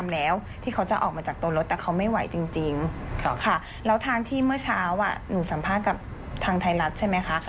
แล้วทางที่เมื่อเช้าหนูสัมภาษณ์กับทางไทยรัฐใช่ไหมคะ